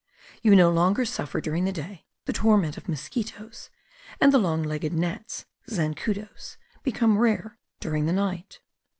You no longer suffer during the day the torment of mosquitos; and the long legged gnats (zancudos) become rare during the night.